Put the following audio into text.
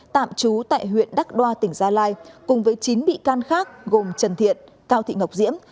tạm trú tại huyện đắc đoa tỉnh gia lai cùng với chín bị can khác gồm trần thiện cao thị ngọc diễm